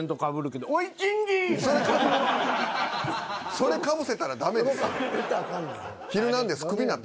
それかぶせたらダメです。